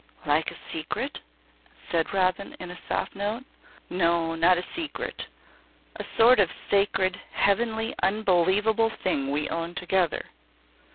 "Like a secret?" said Robin in her soft note. "No, not a secret. A sort of sacred, heavenly unbelievable thing we own together."